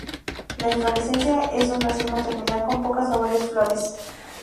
La inflorescencia es un racimo terminal con pocas o varias flores.